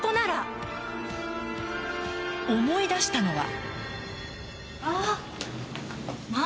思い出したのは。